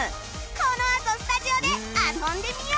このあとスタジオで遊んでみよう！